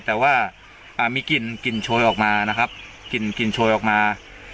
แต่ว่ามีกลิ่นโชยออกมานะครับกลิ่นโชยออกมา